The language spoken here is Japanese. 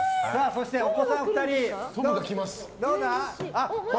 そしてお子さん２人どうだ？